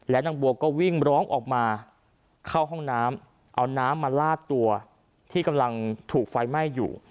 นางบัวก็วิ่งร้องออกมาเข้าห้องน้ำเอาน้ำมาลาดตัวที่กำลังถูกไฟไหม้อยู่